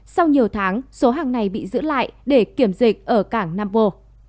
sau nhiều tháng số hàng này bị giữ lại để kiểm dịch ở cảng nam bồ